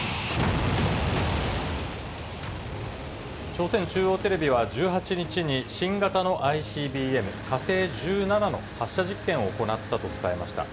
朝鮮中央テレビは１８日に、新型のＩＣＢＭ、火星１７の発射実験を行ったと伝えました。